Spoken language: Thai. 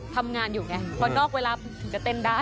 ทำงานอยู่ไงบนออกเวลาจะเต้นได้